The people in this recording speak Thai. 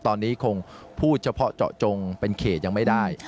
ตอนนี้คงพูดเฉพาะเจาะจงเป็นเขตยังไม่ได้